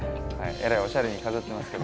えらいおしゃれに飾ってますけど。